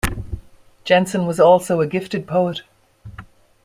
Jensen was also a gifted poet.